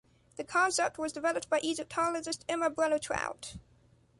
The concept was developed by Egyptologist Emma Brunner-Traut.